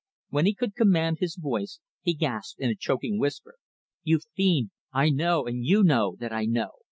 When he could command his voice, he gasped in a choking whisper, "You fiend! I know, and you know that I know.